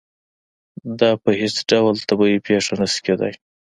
دا په هېڅ ډول طبیعي پېښه نه شي کېدای.